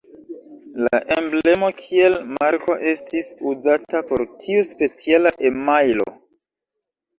La emblemo kiel marko estis uzata por tiu speciala emajlo.